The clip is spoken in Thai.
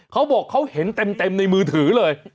เขาบอกเขาเห็นเต็มในมือถือเลย